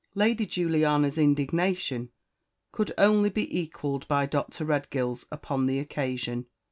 Lady Juliana's indignation could only be equalled by Dr. Redgill's upon the occasion.